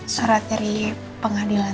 surat dari pengadilan